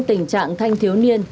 tình trạng thanh thiếu niên